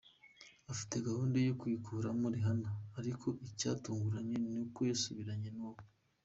afite gahunda yo kwikuramo Rihanna ariko icyatunguranye ni uko yasubiranye nuwo.